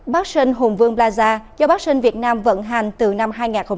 bác sơn hùng vương plaza do bác sơn việt nam vận hành từ năm hai nghìn bảy